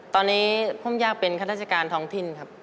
ตอนนี้ผมอยากเป็นข้าราชการท้องถิ่นครับ